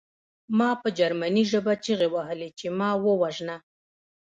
ما په جرمني ژبه چیغې وهلې چې ما ووژنه